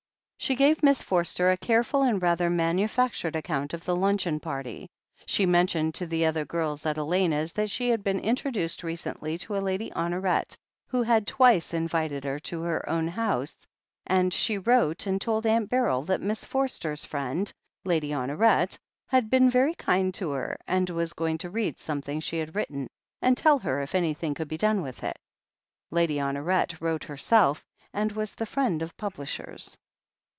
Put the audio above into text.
She gave Miss Forster a careful and rather manu factured account of the limcheon party ; she mentioned to the other girls at Elena's that she had been intro duced recently to a Lady Honoret who had twice in vited her to her own house, and she wrote and told Aunt Beryl that Miss Forster 's friend. Lady Honoret, had been very kind to her, and was going to read some thing she had written and tell her if anything could be done with it. Lady Honoret wrote herself, and was the friend of publishers.